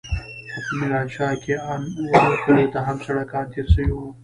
خو په ميرانشاه کښې ان وړو کليو ته هم سړکان تېر سوي وو.